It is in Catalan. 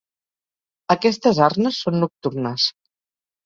Aquestes arnes són nocturnes.